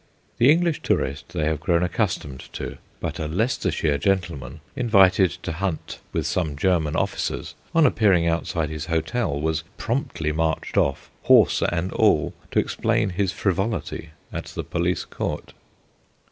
The English tourist they have grown accustomed to; but a Leicestershire gentleman, invited to hunt with some German officers, on appearing outside his hotel, was promptly marched off, horse and all, to explain his frivolity at the police court.